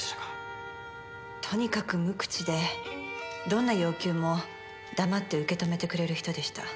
とにかく無口でどんな要求も黙って受け止めてくれる人でした。